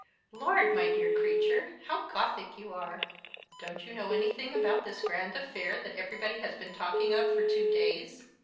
"Lord, my dear creature, how Gothic you are! Don't you know anything about this grand affair that everybody has been talking of for two days?